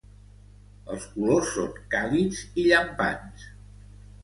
Els colors són càlids i llampants.